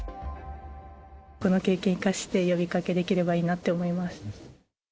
この経験を生かして、呼びかけできればいいなって思います。